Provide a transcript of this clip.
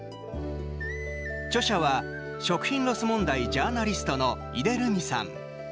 著者は食品ロス問題ジャーナリストの井出留美さん。